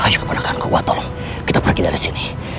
ayo ke penangkahanku wah tolong kita pergi dari sini